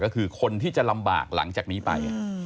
ก็คือคนที่จะลำบากหลังจากนี้ไป